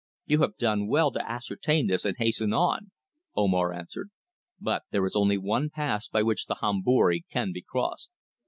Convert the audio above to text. "You have done well to ascertain this and hasten on," Omar answered. "But there is only one pass by which the Hombori can be crossed."